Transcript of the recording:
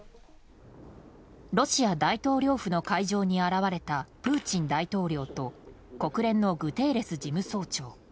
ロシア大統領府の会場に現れたプーチン大統領と国連のグテーレス事務総長。